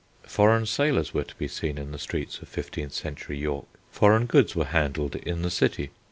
Foreign sailors were to be seen in the streets of fifteenth century York; foreign goods were handled in the city.